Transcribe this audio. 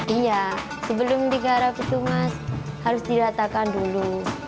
iya sebelum digarap itu mas harus diratakan dulu